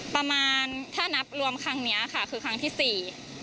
ประมาณถ้านับรวมครั้งเนี้ยค่ะคือครั้งที่สี่